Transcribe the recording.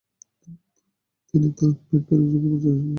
তিনি ব্যাংকের একজন কর্মচারী হিসাবে রয়ে গেলেন।